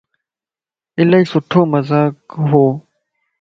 الائي سھڻو مذاق ھو